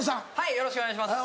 よろしくお願いします。